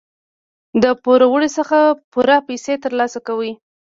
د پوروړي څخه پوره پیسې تر لاسه کوي.